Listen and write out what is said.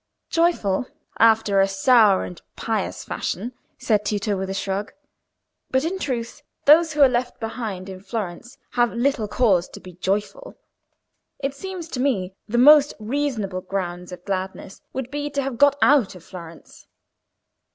"Joyful after a sour and pious fashion," said Tito, with a shrug. "But, in truth, those who are left behind in Florence have little cause to be joyful: it seems to me, the most reasonable ground of gladness would be to have got out of Florence."